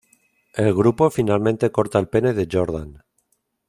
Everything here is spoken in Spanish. El grupo finalmente corta el pene de Jordan.